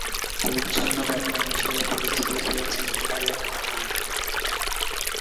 পরিচ্ছন্ন ব্যাটসম্যান হিসেবে পরিচিতি পেয়েছেন অ্যালেক হার্ন।